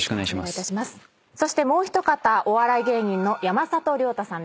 そしてもう一方お笑い芸人の山里亮太さんです。